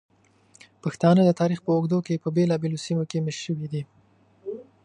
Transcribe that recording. پښتانه د تاریخ په اوږدو کې په بېلابېلو سیمو کې میشت شوي دي.